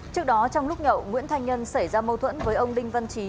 trước đó trong lúc nhậu nguyễn thanh nhân xảy ra mâu thuẫn với ông đinh văn trí